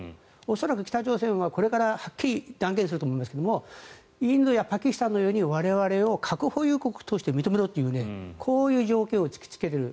恐らく、北朝鮮はこれからはっきり断言すると思いますがインドやパキスタンのように我々を核保有国として認めろというこういう条件を突きつけてくる。